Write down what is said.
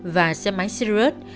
và xe máy sirius